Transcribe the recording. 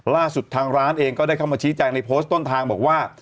ทางร้านเองก็ได้เข้ามาชี้แจงในโพสต์ต้นทางบอกว่า